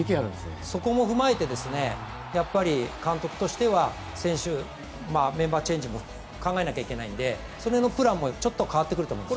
そこも踏まえて、監督としてはメンバーチェンジも考えなきゃいけないのでその辺のプランも変わってくると思います。